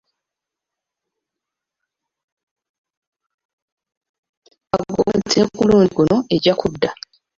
Bagumu nti ne ku mulundi guno ejja kudda.